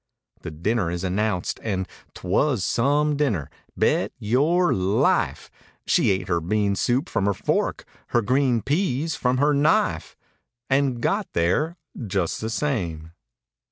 The dinner is announced and 'twas some dinner— bet your life— She ate her bean soup from her fork—her green peas from her knife, And got there just the same.